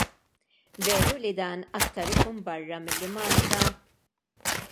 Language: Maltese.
Veru li dan aktar ikun barra milli Malta?